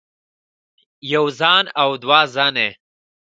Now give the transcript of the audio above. يوه زن او دوه زنې